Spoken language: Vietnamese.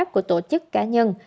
của tổ chức cá nhân